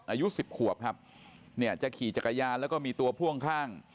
อายุ๑๐ขวบครับเนี่ยจะขี่จักรยานแล้วก็มีตัวพ่วงข้าง